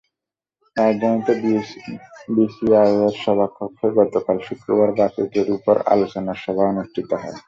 রাজধানীতে বিসিআইয়ের সভাকক্ষে গতকাল শুক্রবার বাজেটের ওপর আলোচনার জন্য সভা অনুষ্ঠিত হয়।